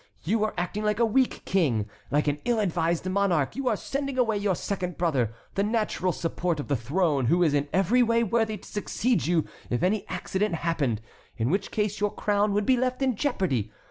You are acting like a weak king, like an ill advised monarch; you are sending away your second brother, the natural support of the throne, who is in every way worthy to succeed you if any accident happened, in which case your crown would be left in jeopardy.